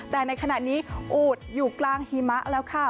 แต่ในขณะนี้อูดอยู่กลางหิมะแล้วค่ะ